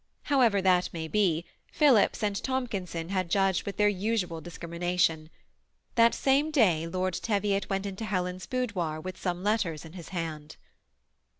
However that may be, Phillips and Tomkin son had judged with their usual discrimination. That same day Lord Tevlot went into Helen's boudoir with some letters in his hand.